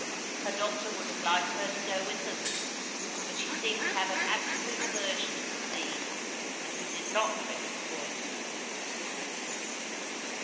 Her doctor would have liked her to go with them, but she seemed to have an absolute aversion to the sea, and he did not press the point.